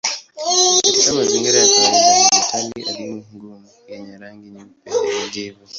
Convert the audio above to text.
Katika mazingira ya kawaida ni metali adimu ngumu yenye rangi nyeupe ya kijivu.